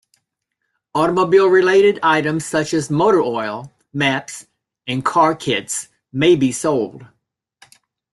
Automobile-related items such as motor oil, maps and car kits may be sold.